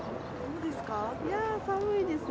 いやー、寒いですね。